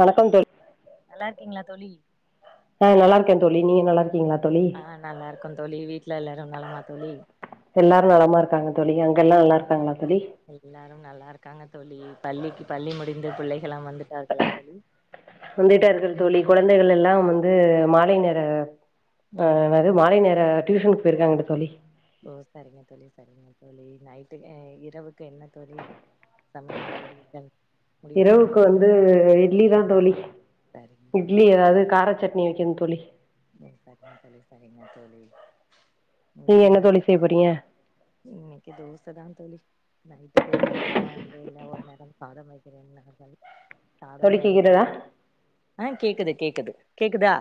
வணக்கம் தோ நல்லா இருக்கீங்களா தோழி ஆஹ் நல்லா இருக்கேன். தோழி நீங்க நல்லா இருக்கீங்களா தோழி ஆஹ் நல்லா இருக்கோ தோழி வீட்டுல எல்லாரு நலமா தோழி எல்லாரு நலமா இருக்காங்க தோழி அங்க எல்லா நல்லா இருக்காங்களா தோழி எல்லாரு நல்லா இருக்காங்க தோழி பள்ளிக்கு பள்ளி முடி டிந்து புள்ளை ல்லாம் வந்துட்டார்களா தோழி. வந்துட்டா இருக்கிற தோழி குழந்தைகள் எல்லாம் வந் து மாலை நேர ஆ ம் என்னது மாலை நேர டியூஷன் போயிருக்காங்க தோழி. ஓ சரிங்க தோழி சரிங்க தோழி நைட்டு அ இரவுக்கு என்ன தோழி சமைக்க போறிர்கள் இரவுக்கு வந்து இட்லி தா தோழி. சரிங்க இட்லி ஏதாவது கார சட்னி வைக்கணும் தோழி. உம் சரிங்க தோழி சரிங்க தோழி. நீங்க இங்கயும் என்ன தோழி செய்ய போறீங்க இன்னைக்கு தோச தா தோழி. நைட்டுக்கு இல்லைன்னா அப்பாந்த இல்ல ஒரு நேரம் காட வைக்கிறேனாங்க தோழி. சாத தோழி கேக்குதா வேண்டாமே ஆஹ் கேக்குது கேக்குது. கேக்குதா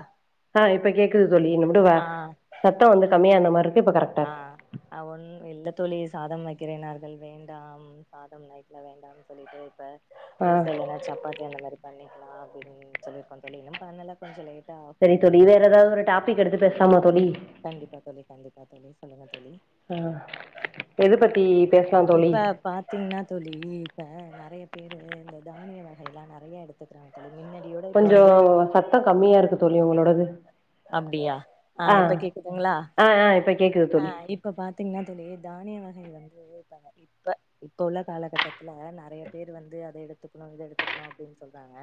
ஆஹ் இப்ப கேக்குது தோழி நடுவ சத்த வந்து கம்மியான மாரி இருக்கு இப்ப கரெக்டா இருக்கு ஆஹ் அவன் இல்ல தோழி சாதம் வைக்கிறேனார்கள் வேண்டாம் சாதம் நைட்ல வேண்டாம்னு சொல்லிட்டு இப்ப ஆ தோச இல்லைன்னா சப்பாத்தி அந்த மாரி பண்ணி பண்ணிக்கலா அப்படினு சொல்லிருக்க தோழி இன்னும் பண்ணலா கொஞ்ச லேட் சரி தோழி வேற ஏதாவது ஒரு டாபிக் எடுத்து பேசலாமா தோழி. ஆ தோழி சொல்லுங்க தோழி ஆஹ் எது பத்தி பேசலாம் தோழி. ப்ப நறைய பேரு இந்த தானிய வகையல்லாம் நறைய எடுத்துக்கிறாங்க மின்னாடியோட இப்ப கொஞ்ச வந்து சத்தம் கம்மியா இருக்கு தோழி உங்களோடது. அப்படியா ஆ ஆஹ் இப்ப கேக்குதுங்களா ஆ ஆ இப்ப கேக்குது தோழி ஆஹ் இப்ப பாத்தீங்கன்னா தோழி தானியவகை வந்து இப்ப இப்ப உள்ள காலகட்டத்துல நறைய பேர் வந்து அத எடுத்துக்கணு இத எடுத்துக்கணு அப்படின்னு சொல்றாங்க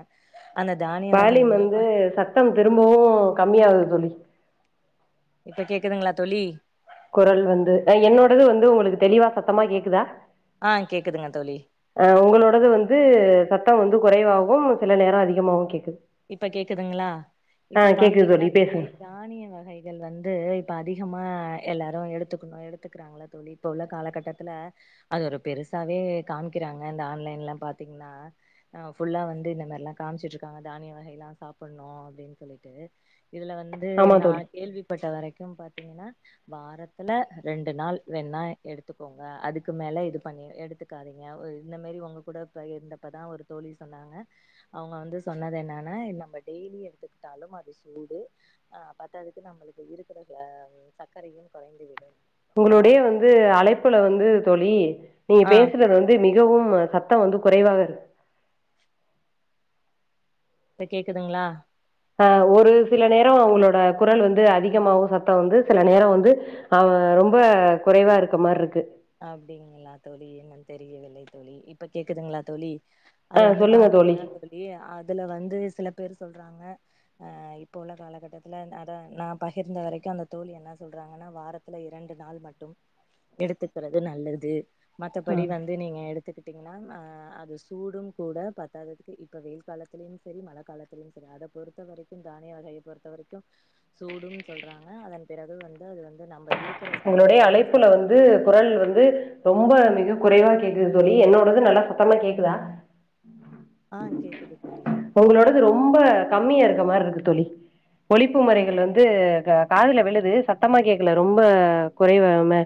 அந்த தானிய வால்யூம் வகையுமே வந்து இப்ப சத்தம் திரும்பவு கம்மியாகுது தோழி [unintelligible] இப்ப கேக்குதுங்களா தோழி. குரல் வந்து என்னோடது வந்து உங்களுக்கு தெளிவா சத்தமா கேக்குதா ஆ கேக்குதுங்க தோழி அஹ் உங்களோடது வந்து சத் த்தம் வந்து குறைவாகவு சில நேர அதிகமாவும் கேக்குது இப்ப கேக்குதுங்களா ஆ இப்ப கேக்குது பாத்தீங்ன்னா தோழி பேசுங்க தானிய வகைகள் வந்து இப்ப அதிகம் மா எல்லாரு எடுத்துக்குணு எடுத்துக்கிறாங்கள்ள தோழி இப்ப உள்ள காலக்கட்டத்துல அது ஒரு பெருசாவே காமிக்கிறாங்க இந்த ஆன்லைன்லாம் பாத்தீங்ன்னா ஆஹ் ஃபுல்லா வந்து இந்த மாரில்லாம் காம்ச்சிட்டு இருக்காங்க தானிய வகையெல்லா சாப்புடணு அப்டின் சொல்லிட்டு இதுல வந்து ஆமா நா தோழி கேள்விப்பட்ட வரைக்கு பாத் தீங்ன்னா வாரத்துல ரெண்டு நாள் வேனா எடுத்துக்கோங்க அதுக்கு மேல இது பண்ணி எடுத்துக்காதீங்க ஓ இந்த மேரி ஒங்க கூட இப்ப இருந்தப்பதான் ஒரு தோழி சொன்னாங்க அவுங்க வந்து சொன்னது என்னன்னா நம்ம டெய்லி எடுத்துக்கிட்டாலும் அது சூடு ஆஹ் பாத்தாதுக்கு நம்பளுக்கு இருக்கிற ஆஹ்ம் சக்கரையும் கொறைந்துவிடும் உங்களுடையே வந்து அழைப்புல வந்து தோழி நீங்க ஆ பேசறது வந்து மிகவும் சத்தம் வந்து குறைவாக இருக் இப்ப கேக்குதுங்ளா ஆஹ் ஒரு சில நேரம் உங்களோட குரல் வந்து அதிகமாவு சத்த வந்து சில நேரம் வந்து ஆஹ்வ் ரொம்ப குறைவா இருக்க மார்ருக்கு அப்டிங்களா தோழி என்னன்னு தெரியவில்லை தோழி இப்ப கேக்குதுங்ளா தோழி ஆ அது வந்து சொல்லுங்க பாத்தீங்ன்னா தோழி அதுல வந்து சிலப் பேரு சொல்றாங்க ஆஹ் இப்போ உள்ள காலகட்டத்துல அதா நா பகிர்ந்த வரைக்கு அந்த தோழி என்னா சொல்றாங்கன்னா வாரத்துல இரண்டு நாள் மட்டும் எடுத்து கிறது நல்லது மத்தபடி ஆஹ் வந்து நீங்க எடுத் த்துக்கிட்டீங்ன்னா அ அது சூடும் கூட பத்தாததுக்கு இப்ப வெயில் காலத்திலியும் செரி மழக் காலத்திலயும் செரி அத பொறுத்த வரைக்கும் தானிய வகையை பொறுத்த வரிக்கும் சூடும் சொல்றாங்க அதன் பிறகு வந்து அது வந்து நம்ப இருக் உங்ளுடைய அழைப்புல வந்து குரல் வந் து ரொம்ப மிகக் குறைவா கேக்குது தோழி என்னோடது நல்லா சத்தமா கேக்குதா ஆ கேக்குது தோழி உங்களோடது ரொம்ப கம்மியா இருக்க மார்ரு கேக்குது தோழி ஒலிப்பு முறைகள்ல வந்து க காதுல விழுது சத்தமா கேக்கல ரொம்ப குறைவமெ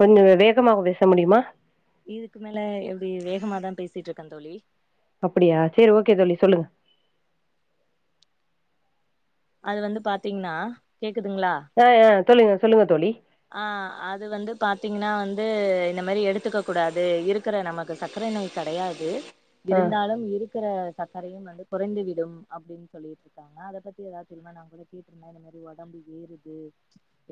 கொஞ்சோ வேகமாக பேச முடியுமா இதுக்கு மேல எப்டி வேகமாதா பேசிட்ருக்கந் தோழி அப்படியா சேரி ஓகே தோழி சொல்லுங்க அது வந்து பாத்தீங்ன்னா கேக்குதுங்ளா தொல்லுங்க சொல்லுங்க தோழி ஆஹ் அது வந்து பாத்தீங்கனா வந்து இந்த மாரி எடுத்துக்க கூடாது இருக்கற நமக்கு சக்கர நோய் கெடையாது ஆ இருந்தாலும் இருக்குற சக்கரையும் வந்து குறைந்து விடும் அப்டின் சொல்லிட்ருக்காங்க அத பத்தி எதா தெரியுமா நங்க கூட கேட்ருந்தே இந்த மாரி ஒடம்பு ஏறுது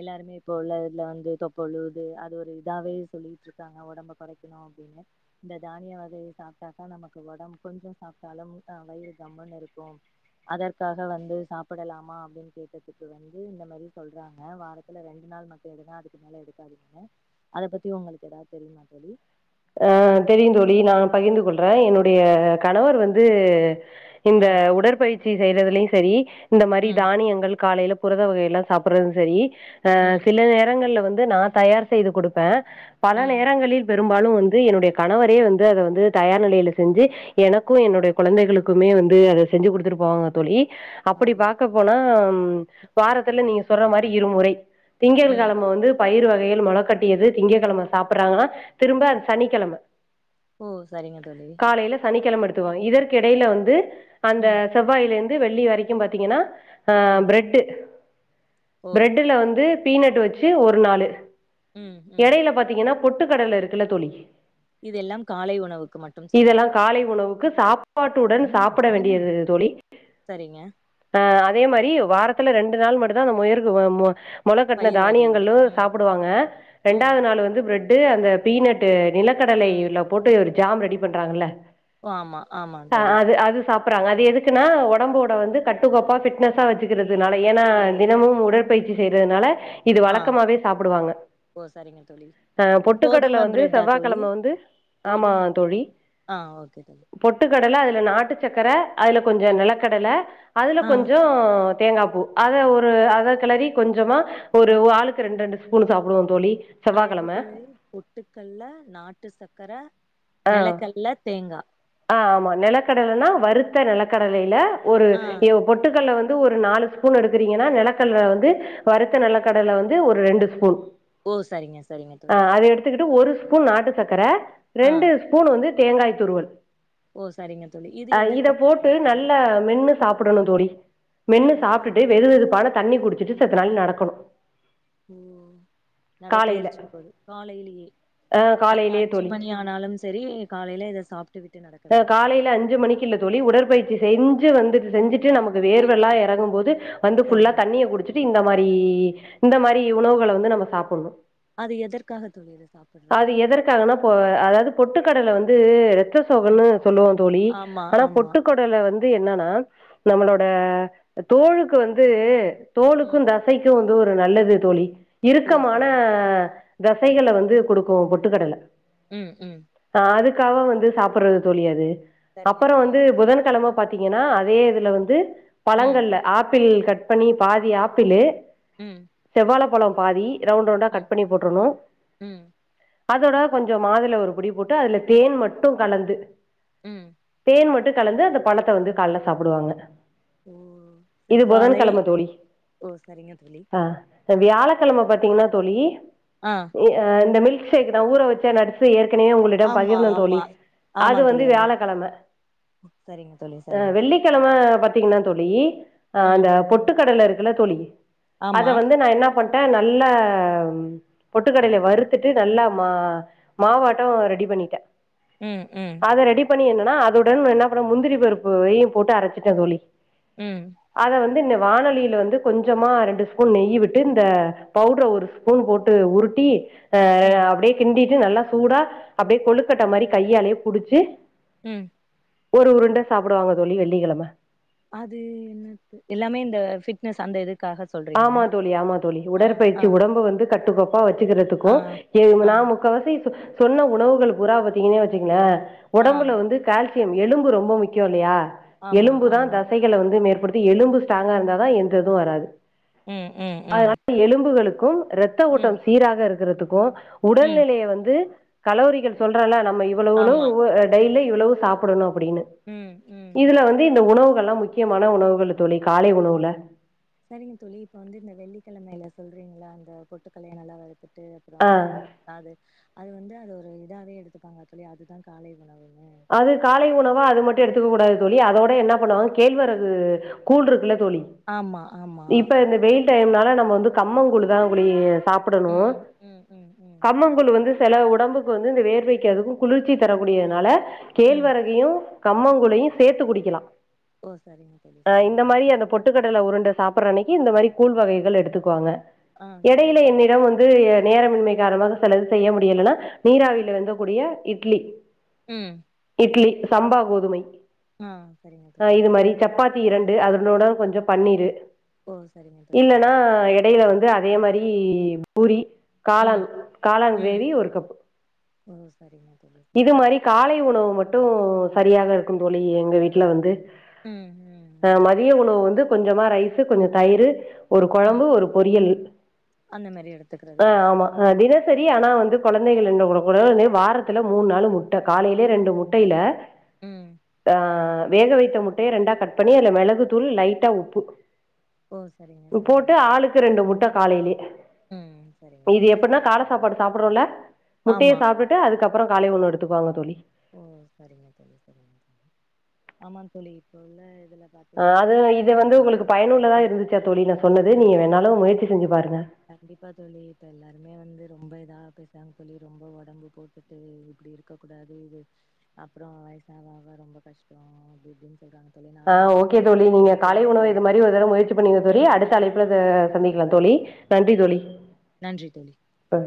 எல்லாருமே இப்போ உள்ள இதுல வந்து தொப்ப உழுவுது அது ஒரு இதாவே சொல்லிட்ருக்காங்க ஒடம்ப கொறைக்குணு அப்டின்னு இந்த தானிய வகையை சாப்டாக்கா நமக்கு ஒடம்ப் கொஞ்சோ சாப்ட்டாலும் ஆஹ் வயிறு கம்முன்னு இருக்கும் அதற்காக வந்து சாப்படலாமா அப்டின் கேட்டதுக்கு வந்து இந்த மரி சொல்றாங்க வாரத்துல ரெண் டு நாள் மட்டு எடுங்க அதுக்கு மேல எடுக்காதீங்கனு அத பத்தி உங்களுக்கு எதாவ் தெரியுமா தோழி அஹ் தெரியுந்தோழி நா பகிர்ந்து கொள்றே என்னுடைய கணவர் வந்து இந்த ம் உடற்பயிற்சி செய்றதுலியு செரி இந்த மாரி ம் தானியங்கள் காலைல புரத வகையெல்லா சாப்புறது செரி அ ம் சில நேரங்கள்ல வ ந்து நா தயார் செய்து குடுப்பே பல ம் நேரங்களில் வெரும் பாலு வந்து என்னுடைய கணவரே வந்து அத வந்து தயார் நிலையில செஞ்சி எனக்கு என்னுடைய குழந்தைகளுக்குமே வந்து அத செஞ்சு குடுத்துட்டு போவாங்க தொழி அப்படி அப்டியா பாக்க போனா உம் வாரத்துல நீங்க சொல்றா மாரி இருமுறை திங்கள் ம் கெழம வந்து பயிர் வ பெயில் மொள கட்டியது திங்க கெழம சாப்பட்றாங்கனா திரும்ப அது சனிக்கெழம ஓ சரிங்க தோழி கெழம எடுத்துக்குவா இதற்கு எடையில வந்து அந்த ம் செவ்வாய்லந் து வெள்ளி வரைக்கு பாத்தீங்கனா ஆஹ் ம் பிரெட்டு ஓ பிரெட்டுல வந்து பீனட்டு வெச்சு ஒரு நாலு ம் ம் எடையில பாத்தீங்கன்னா பொட்டுக்கடல இருக்கு இல்ல தோழி இதெல்லாம் காலை உணவுக்கு மட்டும் இதெல்லாம் சொல்றீர்கள் காலை உணவுக்கு சாப்பாட்டுடன் சாப்ட வேண்டியது தோழி சரிங்க ஆ அதே மாரி வாரத்துல ரெண்டு நாள் மட்டும் தான் நம்ம முயலுக்கு மொள கட்டன பயிறு வகைகள் தானியங்களும் ம் சாப்பிடுவாங்க ம் ரெண்டாவது நாளு வந்து பிரெட் து அந்த பீனட்டு ம் நிலக்கடலையில போட்டு இவுரு ஜாம் ரெடி பண்றாங்கல்ல ஆமா ஆமா தோழி குப்படராங்க அது எதுக்குன்னா ஒடம்போட வந்து கட்டுக்கோப்பா ஃபிட்னஸா வச்சுகிறது இது நாளைக்குனா ஓ தினமும் உட உடற்பெயற்சி செய்யறதுனால இது ஆ வழக்கமாவே சாப்பிடுவாங்க ஓ சரிங்க தோழி அ பொட்டு வாரத்துல கோதும வந்து பிரெட்டா தோழி செவ்வாகெழம வந்து ஆமா கோதும பிரெட் தோழி ஆ ஓகே தோழி பொட்டுக் கடல அதுல நாட்டு சக்கர அதுல கொஞ்சோ ம் நெலக்கடல அதுல ஆ கொஞ்சோ தேங்கா பூ அத ஒரு அத கெளறி கொஞ்சமா ஒரு ஆளுக்கு ரெண்டு ரெண்டு ஸ்பூன் சாப்புடுவோந் தோழி அது எப்படி செவ்வாய்க்கிழம தருது பொட்டுக்கல்ல நாட்டு சக்கர ஆ ஆ... நெலக்கல்ல தேங்கா ஆமா நெலக்கடலனா வருத் த நெலக்கடலையில ஒரு ஆ எ பொட்டுக்கல்ல வந்து ஒரு நாலு ஸ்பூன் எடுக்குறீங்கன்னா நிலக்கட வந்து வருத்த நிலக்கடல வந்து ஒரு ரெண்டு ஸ்பூன் ஓ சரிங்க சரிங்க தோழி ஒரு ஸ்பூன் நாட்டு சக்கர ஆ ரெண்டு ஸ்பூன் வந்து தேங்காய் துருவல் ஓ சரிங்க தோழி இது அ இத எதற்காக போட்டு தோழி நல்ல மென்னு சாப்பிடணு தோழி இது மென்னு சாப்பிட்டுட்டு எதற்காக வெது தோழி வெதுப்பான தண்ணி குடிச்சுட்டு செத்த நாள் நடக்கணு ஓ காலையில. நடைப்பயிற்சியின் போது காலையிலியே ஆ அந்த காலையிலயே அஞ்சு தோழி. மணி ஆனா ளும் செரி காலைல இதை சாப்பிட்டு விட்டு நடக்க அ வேண்டும் காலையில மணிக்கு இல்ல தோழி, உடற்பயிற்சி செஞ்சு வந்துட்டு செஞ்சுட்டு நமக்கு ஓகே வேர்வெல்லா எறங்கும் போது வந்து ஃபுல்லா சரிங்க தண்ணிய குடுச்சுட்டு இந்த மாரி இந்த மாரி உணவுகள வந்து நம்ம சாப்புன்ணு அது எதற்காக தோழி சாப்புடுறோ எதற்காகன்னா, இப்போ அதாவது பொட்டுக்கடல வந்து ரத் த சோகன்னு சொல்லுவோ தோழி ஆமா ஆனா ஆமா பொட்டுக்கடல வந் து என்னன்னா நம்மளோட தோழுக்கு வந்து தோலுக்கு ம் தசைக்கு வந் து ஒரு நல்லது தோழி ஓ இறுக்கம் ஆனா சரிங்க தோழி த தசைகள் வந்து குடுக்கு பொட்டுக்கடல உம் உம் காக வந்து சாப்பிடுறது தோளி அது சரிங்க அப்பறோ தோழி வந்து புதன் கெழம பாத்தீங்கன்னா அதே இதுல வந்து ம் பழங்கள்ல ஆப்பிள் கட் பண்ணி பாதி ஆப்பிள் உம் பலோ பாதி ரவுண்டு ரவுண்டா கட் பண்ணி போட்றணு ம் அதுதாட கொஞ்சோ மாதுள ஒரு புடிய போட்டு அதுல தேன் மட்டு கலந்து உம் தேன் மட்டு கலந்து அந்த பழத்தை வந்து கால் ல சாப்டுவாங்க ஓ செவ்வாலை தோழி. ஓ சரிங்க தோளி ச வியாலக்கெலம பாத்தீங்கனா தோளி ஆ இ அ இந்த மில்க் செக் நா ஊர வச்சா நட்சு ஏற் ஏற்கனவே உங்களிடம் ஆமா பகிர்ந்த தோளி ஆமா ஆமா அது வந்து தோழி ஆமா தோழி வியாலகெலம சரிங்க தோழி ஆ சரிங்க தோழி வெள்ளிக்கெலம பத்தி பாத்திங்கனா தோளி ஆ ம் அந்த பொட்டுகடல இருக் இல்ல தோளி அத ஆமா வந்து நா என்ன மட்ட நல்ல பொட்டுக்கடலைய வருறுத்துட்டு நல்ல மா மாவாட் டோ ரெடி பண்ணிட்ட உம் உம் பண்ணி என்னனா அதுடன் என்ன பண்ண முந்திரி பருப்பு வெயி போட்டு அரச்சிட்ட தோளி உம் அது வந்து வானொலியில வந்து கொஞ்சமா ரெண்டு ஸ்பூன் நெய்யி விட்டு இந்த பவுட்ர ஒரு ஸ்பூன் போட்டு உருட்டி ஆ ம் அப்டேயே கிண்டி நல்லா சூடா அப்டே கொழுக்கட்ட மாரி கையாலேயே புடிச்சு உம் ஒரு உருண்ட சாப்டுவாங்க தோளி வெள்ளிக்கெலம அது என்ன எல்லாமே இந்த பிட்னஸ் அந்த இதுக்கு ஆமா தோளி ஆமா தோளி ஆ உடற்பயிற்சி உடம்ப வந்து கட்டுக்கோப்பா ப்பா வச்சுக்கறதுக்கோ ஆ எது ஆ நா முக்காவாசி சொன்ன உணவுகள் பூரா பாத்தீங்கனே வச்சுங்களே ஆ ஒடம்புல வந்து கால்சி யம் எலும்பு ரொம்ப முக்கியோல்லையா ஆமா எலும்பு தா ஆமா தசைகள வந்து மேற்படுத் எலும்பு ஸ்டாங்கா இருந்தா தா எந்த இதுவு வராது ம் ம் ம் அதனால எலும்புகளுக் க்கு ரத்த ம் ஓட்டம் சீராக இருக்குறது ருக்கு ம் உடல்நிலைய வந்து கலோரிகள் சொல்றலா நம் நம்ம இவ்ளோவுளோ ஆமா அ டெய்லி இவ்ளேவு சாப்புடணு அப்டின்னு ம் ம் இதுல வந்து இந்த உணவு இதெல்லா முக்கியமான உணவுகள் தோழி காலை உணவுல சரிங்க தோழி இப்ப வந்து இந்த வெள்ளிக்கெழமையில சொல்றீங்களா அந்த பொட்டுக்கல்லய நல்லா வரு ட்டு அப்புறோ ஆ அந்த அது வந்து அது ஒரு இதாவே எடுத்துப்பாங்க அக்சுவலி அதுதா காலை உணவுங்க அது காலை உணவா அது மட்டு எடுத்துக்கக்கூடாது தோழி அதோட என்ன பண்ணுவாங்க கேழ்வரகு கூல் இருக்குல தோழி ஆமா ஆமா இப்ப இந்த வெயில் டைம்னால நம்ம வந்து கம்மங்கூழு தா குலி சாப்புடணு ம் ம் ம் ம் கம்மங்கூழு வந்து சில ஒடம்புக்கு வந்து இந்த வேர்வைக்கு அதுக்கு குளிர்ச்சி ம் தரக்கூடியதுனால ம் கேழ்வரகையு கம்மங்கூழயு சேத்து குடிக்கலா ஓ சரிங்க தோழி சரிங்க ட்டுக்கடலை உருண்ட சாப்பர்ற அன்னைக்கி இந்த மாரி கூழ் வகைகள் எடுத்துக்குவாங்க ஆ இடையில சரிங்க என்னிடம் வந்து நேரமின்மை காரணமாக சிலது செய்ய முடியலனா நீராவில வெந்தக்கூடிய இட்லி ம் இட்லி சம்பா கோதுமை ஆஹ் சரிங்க தோழி தி இரண்டு அதனோட கொஞ்சோ பன்னீரு ஓ சரிங்க தோழி இல்லன்னா சரி எடைல வந்து து அதே மாரி பூரி காளான் ம் காளான் ம் கிரேவி ஒரு கப்பு ஓ சரிங்க தோழி இது சரிங்க மாரி தோழி. காலை உணவு மட் டு சரியாக இருக்கும் தோழி எங்க வீட்ல வந்து ம் அஹ் ம் மதிய உணவு வந்து கொஞ்சமா ரைஸு கொஞ்ச தயிரு ஒரு ம் கொழம்பு ஒரு பொரியல் அந்த மாரி எடுத்துக்கிறது ஆஹ் உண்டு ஆமா அ டின்னர் சரி ஆனா வந்து கொழந்தைகள எல்லா வுட கூடாது [unintelligible] வார த்துல மூண் நாளு முட்ட காலைலே ரெண்டு முட்டயில ம் ஆஹ் வேக வைத்த முட்டய ரெண்டா கட் பண்ணி அதுல மெளகு தூள் லைட்டா உப்பு ஓ சரிங்க ம் சரிங்க போட்டு ஆளுக்கு ரெண்டு முட் ட காலைலே ம் சரிங்க இது தோழி சரி எப்பன்னா கால சாப்பாடு சாப் பறோல்ல முட்டைய ஆமா சாப்ட்டுட்டு அதுக்கப் பறோ காலை உணவு எடுத்துக்வாங்க தோழி ஓ சரிங்க தோழி சரிங்க தோழி ஆமா தோழி இப்ப உள்ள இதுல ஆ பாத்தீங்ன்னா அது இது [inaudible] வந்து உங்களுக்கு சாப்புட்ற தான் பயனுள்ளதா தோழி இருந்துச்சா நல்லது தோழி நான் சொன்னது நீங்க கண்ப்பா வேணாலும் தோழி முயற்சி செஞ்சு பாருங்க கண்டிப்பா தோழி இப்ப எல்லாருமே வந்து ரொம்ப ரா அப்பி சாப் சொல்லி ரொம்ப ஒடம்பு போட்டுட்டு இப்டி இருக்க கூடா [unintelligible] வெச் அப்றோ வயசாவ ஆவ ரொம்ப கஷ்டோ அப்டி இப்டின் ஆஹ் ஓகே தோழி நீங்க காலை உணவ தோழி இது மாரி ஒரு தடவ முயற்சி பண்ணீங்க தோழி ம் அடுத்த கண்டிப்பா அழைப்புல தோழி ச சந்திக்கலா தோழி நன் றி தோழி நன்றி தோழி அ